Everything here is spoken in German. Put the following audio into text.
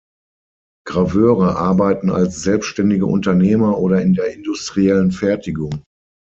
Graveure arbeiten als selbständige Unternehmer oder in der industriellen Fertigung.